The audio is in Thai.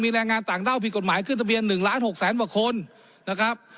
แรงงานต่างด้าวผิดกฎหมายขึ้นทะเบียน๑ล้าน๖แสนกว่าคนนะครับ